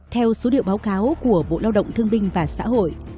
theo số liệu báo cáo của bộ lao động thương binh và xã hội